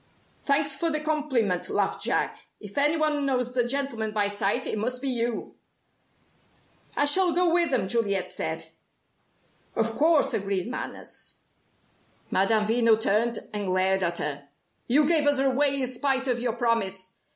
"Thanks for the compliment," laughed Jack. "If any one knows the gentleman by sight, it must be you!" "I shall go with them," Juliet said. "Of course!" agreed Manners. Madame Veno turned and glared at her. "You gave us away in spite of your promise.